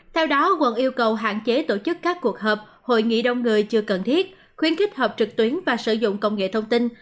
theo đó quận yêu cầu hạn chế tổ chức các cuộc họp hội nghị đông người chưa cần thiết khuyến khích họp trực tuyến và sử dụng công nghệ thông tin